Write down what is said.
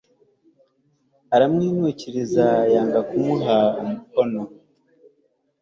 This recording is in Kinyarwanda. aramwinukiriza yanga kumuha umukono